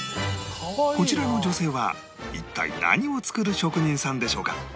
こちらの女性は一体何を作る職人さんでしょうか？